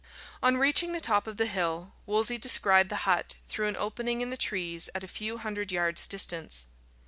On reaching the top of the hill, Wolsey descried the hut through an opening in the trees at a few hundred yards' distance.